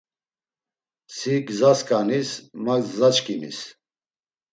Si gzaskanis, ma gzaçkimis.